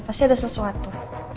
pasti ada sesuatu